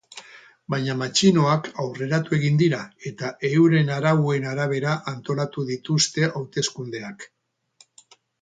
Baina matxinoak aurreratu egin dira eta euren arauen arabera antolatu dituzte hauteskundeak.